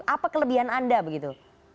apa kelebihan anda begitu